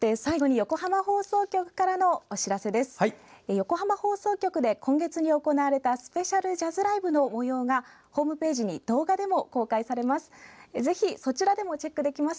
横浜放送局で今月に行われたスペシャルジャズライブのもようがホームページに動画でも公開されます。